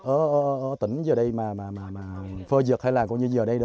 ở tỉnh giờ đây mà phơ dựt hay là gọi như giờ đây đó